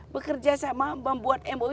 bekerja sama membuat mou